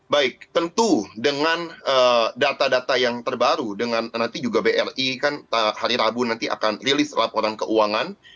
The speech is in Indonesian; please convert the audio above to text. baik tentu dengan data data yang terbaru dengan nanti juga bri kan hari rabu nanti akan rilis laporan keuangan